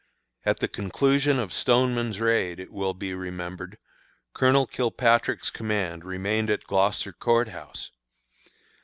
At the conclusion of Stoneman's raid, it will be remembered, Colonel Kilpatrick's command remained at Gloucester Court House.